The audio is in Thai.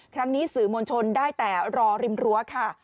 ครั้งนี้สื่อมวลชนได้แต่รอริมรั้วค่ะ